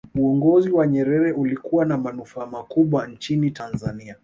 uongozi wa nyerere ulikuwa na manufaa makubwa nchini tanzania